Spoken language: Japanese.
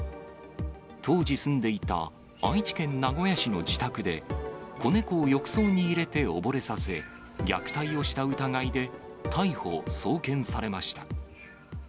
当時住んでいた愛知県名古屋市の自宅で、子猫を浴槽に入れて溺れさせ、虐待をした疑いで逮捕・送検されました。